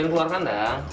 jangan keluarkan dang